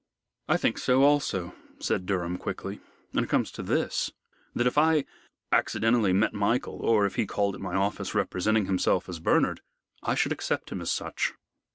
"I think so also," said Durham, quickly, "and it comes to this, that if I accidentally met Michael, or if he called at my office representing himself as Bernard, I should accept him as such."